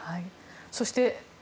そして、